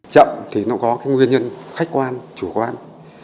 chậm thì nó có cái nguyên nhân khách quan chủ quan